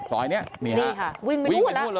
ซอยนี้นี่ค่ะวิ่งไปนู่นแล้ว